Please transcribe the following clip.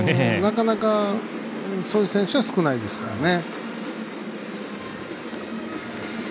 なかなかそういう選手は少ないですからね。